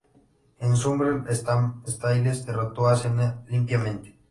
En SummerSlam, Styles derrotó a Cena limpiamente.